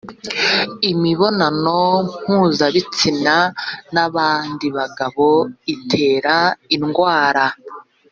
imibonano mpuzabitsina n ‘abandi bagabo itera indwara.